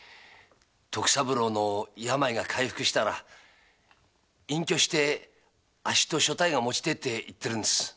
徳三郎の病が回復したら隠居してあっしと所帯を持ちたいって言ってるんです。